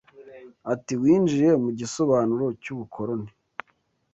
Ati “Winjiye mu gisobanuro cy’ubukoloni